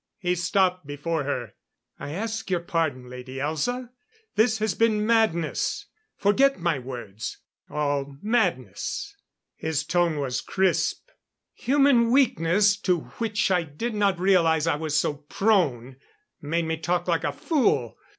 He stopped before her. "I ask your pardon, Lady Elza. This has been madness. Forget my words all madness." His tone was crisp. "Human weakness to which I did not realize I was so prone made me talk like a fool.